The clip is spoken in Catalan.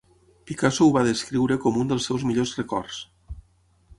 Picasso ho va descriure com un dels seus millors records.